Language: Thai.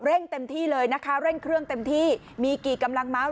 เต็มที่เลยนะคะเร่งเครื่องเต็มที่มีกี่กำลังเมาส์